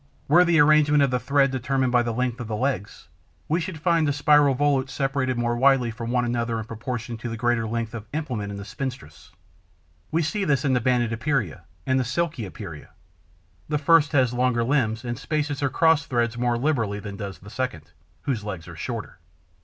Were the arrangement of the thread determined by the length of the legs, we should find the spiral volutes separated more widely from one another in proportion to the greater length of implement in the spinstress. We see this in the Banded Epeira and the Silky Epeira. The first has longer limbs and spaces her cross threads more liberally than does the second, whose legs are shorter.